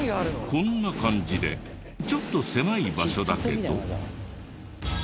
こんな感じでちょっと狭い場所だけど。